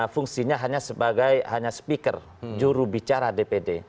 fungsinya hanya sebagai speaker juru bicara dpd